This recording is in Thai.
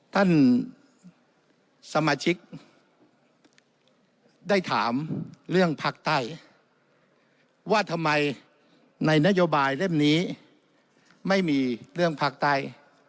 ท่านสมาชิกได้ถามเรื่องภาคใต้ว่าทำไมในนโยบายเล่มนี้ไม่มีเรื่องภาคใต้